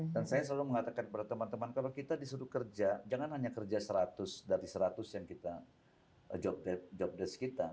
dan saya selalu mengatakan kepada teman teman kalau kita disuruh kerja jangan hanya kerja seratus dari seratus yang kita job desk kita